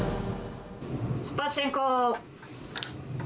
出発進行。